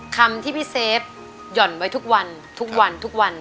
คำที่พี่เซฟหย่อนไว้ทุกวัน